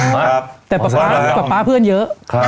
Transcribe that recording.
แต่แป๊ปีเราเพื่อนเยอะ